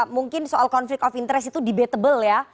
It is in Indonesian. mungkin soal konflik of interest itu debatable ya